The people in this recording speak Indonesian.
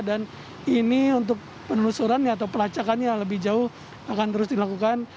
dan ini untuk penelusuran atau pelacakannya lebih jauh akan terus dilakukan